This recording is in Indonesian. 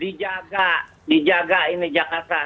dijaga dijaga ini jakarta